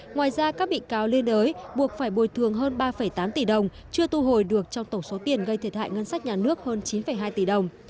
ngoài ra các bị cáo liên đới buộc phải bồi thường hơn ba tám tỷ đồng chưa thu hồi được trong tổng số tiền gây thiệt hại ngân sách nhà nước hơn chín hai tỷ đồng